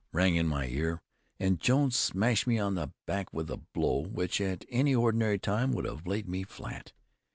rang in my ear, and Jones smashed me on the back with a blow, which at any ordinary time would have laid me flat.